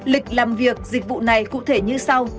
lịch làm việc dịch vụ này cụ thể như sau